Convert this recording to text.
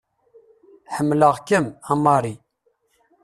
Ḥemmeleɣ-kem, a Mary.